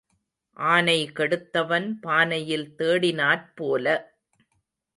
ஆனை கெடுத்தவன் பானையில் தேடினாற் போல.